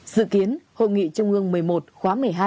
dự kiến hội nghị trung ương một mươi một khóa một mươi hai